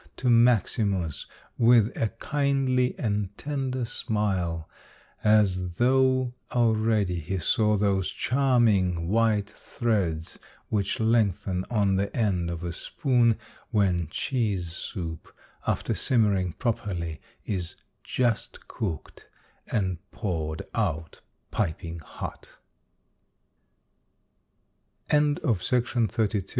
to Maximus with a kindly and tender smile, as though already he saw those charming white threads which lengthen on the end of a spoon when cheese soup, after simmering properly, is just cooked, and poured out piping hot. The